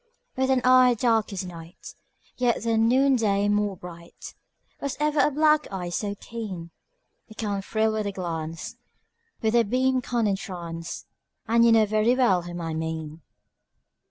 With an eye dark as night, Yet than noonday more bright, Was ever a black eye so keen? It can thrill with a glance, With a beam can entrance, And you know very well whom I mean.